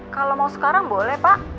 kalau mau sekarang boleh pak